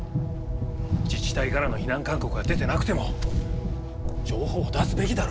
自治体からの避難勧告は出てなくても情報を出すべきだろ。